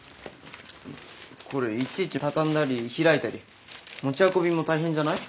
これいちいち畳んだり開いたり持ち運びも大変じゃない？